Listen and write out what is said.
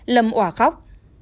lâm ỏa khóc